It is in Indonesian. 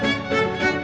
ya udah mbak